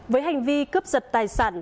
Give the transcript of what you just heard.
với hành vi cướp giật tài sản